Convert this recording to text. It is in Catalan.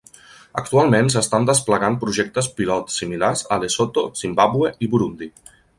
Actualment s'estan desplegant projectes pilot similars a Lesotho, Zimbàbue i Burundi.